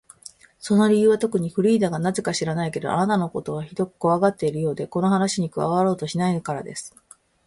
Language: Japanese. その理由はとくに、フリーダがなぜか知らないけれど、あなたのことをひどくこわがっているようで、この話に加わろうとしないからです。